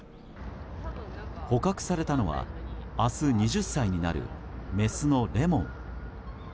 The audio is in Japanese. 捕獲されたのは明日２０歳になるメスのレモン。